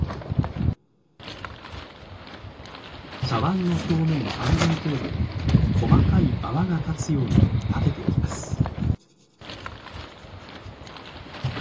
茶碗の表面半分程度に細かい泡が立つように点てていきます。